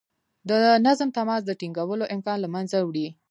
د منظم تماس د ټینګولو امکان له منځه وړي.